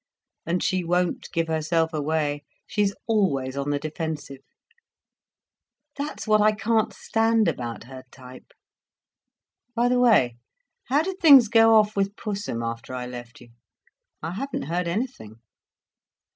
And she won't give herself away—she's always on the defensive. That's what I can't stand about her type. By the way, how did things go off with Pussum after I left you? I haven't heard anything."